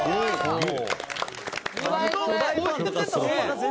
もう」